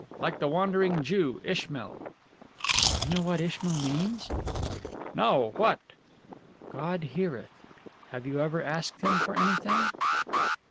Like the Wandering Jew, Ishmael." "Do you know what Ishmael means?" "No. What?" "'God heareth.' Have you ever asked Him for anything?"